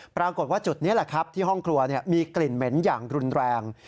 ปรากฏว่าจุดนี้แหละครับที่ห้องครัวมีกลิ่นเหม็นอย่างรุนแรง